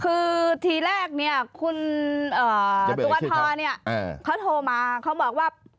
คือทีแรกเนี่ยคุณตัวทอเนี่ยเขาโทรมาเขาบอกว่า